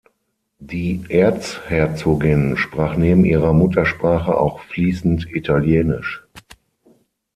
Die Erzherzogin sprach neben ihrer Muttersprache auch fließend italienisch.